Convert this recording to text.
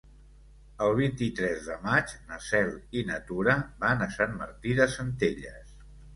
El vint-i-tres de maig na Cel i na Tura van a Sant Martí de Centelles.